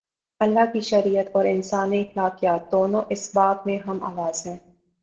اللہ کی شریعت اور انسانی اخلاقیات، دونوں اس باب میں ہم آواز ہیں۔